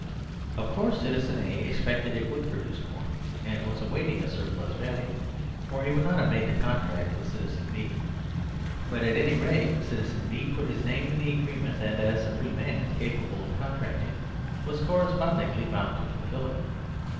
Of course citizen A expected it would produce more, and was awaiting a surplus value, or he would not have made the contract with citizen B. But, at any rate, citizen B put his name to the agreement, and as a free man, capable of contracting, was cor 159 THE SERVILE STATE respondingly bound to fulfil it.